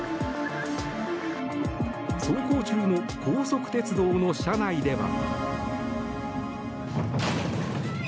走行中の高速鉄道の車内では。